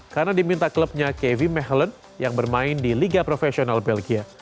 karena diminta klubnya kv mechelen yang bermain di liga profesional belgia